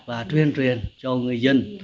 và truyền truyền cho người dân